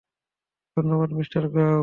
ধন্যবাদ, মিস্টার গাও।